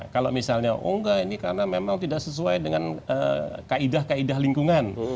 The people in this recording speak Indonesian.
kalau misalnya oh nggak ini karena memang tidak sesuai dengan kaidah kaidah lingkungan